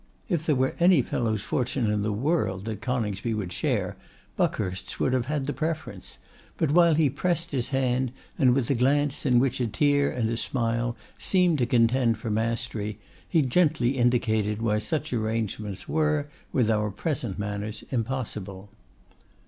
If there were any fellow's fortune in the world that Coningsby would share, Buckhurst's would have had the preference; but while he pressed his hand, and with a glance in which a tear and a smile seemed to contend for mastery, he gently indicated why such arrangements were, with our present manners, impossible.